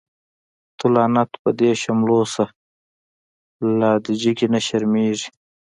تو لعنت په دی شملو شه، لا دی جګی نه شرميږی